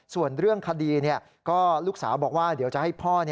ส่วนเรื่องคดีก็ลูกสาวบอกว่าเดี๋ยวจะให้พ่อ